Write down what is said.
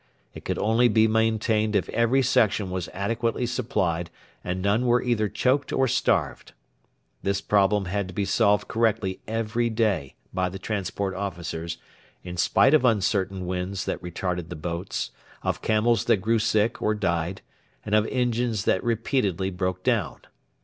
It could only be maintained if every section was adequately supplied and none were either choked or starved. This problem had to be solved correctly every day by the transport officers, in spite of uncertain winds that retarded the boats, of camels that grew sick or died, and of engines that repeatedly broke down.